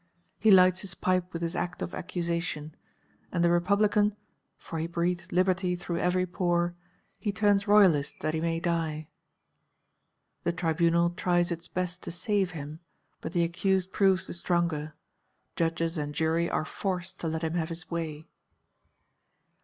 He lights his pipe with his act of accusation. And, a Republican, for he breathes liberty through every pore, he turns Royalist that he may die. The Tribunal tries its best to save him, but the accused proves the stronger; judges and jury are forced to let him have his way.